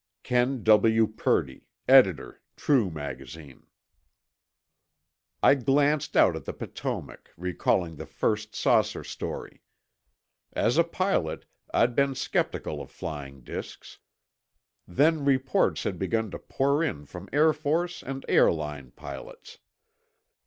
KEN W. PURDY, EDITOR, TRUE MAGAZINE I glanced out at the Potomac, recalling the first saucer story. As a pilot, I'd been skeptical of flying disks. Then reports had begun to pour in from Air Force and airline pilots.